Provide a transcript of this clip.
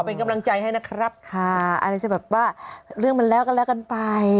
เป็นกำลังใจให้นะครับค่ะอะไรจะแบบว่าเรื่องมันแล้วก็แล้วกันไป